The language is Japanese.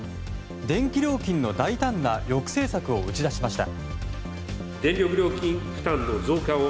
電気料金の大胆な抑制策を打ち出しました。